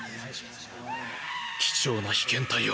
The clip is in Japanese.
貴重な被験体を。